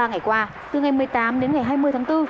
ba ngày qua từ ngày một mươi tám đến ngày hai mươi tháng bốn